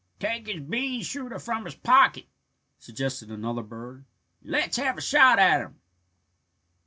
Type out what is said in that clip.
"Take his bean shooter from his pocket," suggested another bird, "and let's have a shot at him."